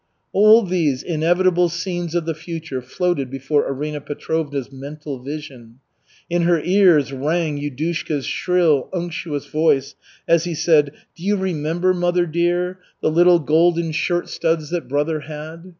All these inevitable scenes of the future floated before Arina Petrovna's mental vision. In her ears rang Yudushka's shrill, unctuous voice as he said: "Do you remember, mother dear, the little golden shirt studs that brother had?